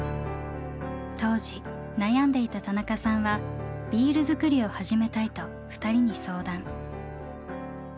当時悩んでいた田中さんはビール造りを始めたいと２人に相談。